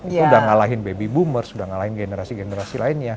itu udah ngalahin baby boomers udah ngalahin generasi generasi lainnya